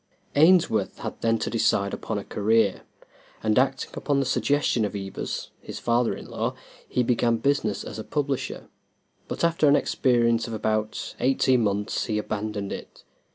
Ainsworth had then to decide upon a career, and, acting upon the suggestion of Ebers, his father in law, he began business as a publisher; but after an experience of about eighteen months he abandoned it.